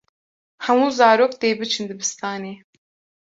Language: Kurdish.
Hemû zarok dê biçin dibistanê.